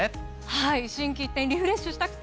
はい心機一転リフレッシュしたくて。